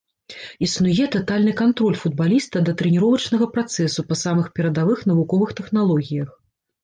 Існуе татальны кантроль футбаліста да трэніровачнага працэсу па самых перадавых навуковых тэхналогіях.